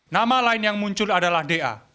nama lain yang muncul adalah da